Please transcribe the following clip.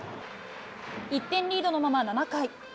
１点リードのまま７回。